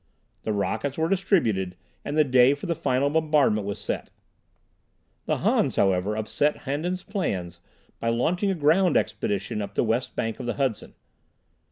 The rockets were distributed, and the day for the final bombardment was set. The Hans, however, upset Handan's plans by launching a ground expedition up the west bank of the Hudson.